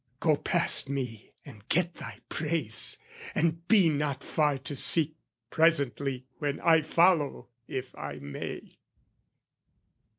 Go past me And get thy praise, and be not far to seek Presently when I follow if I may!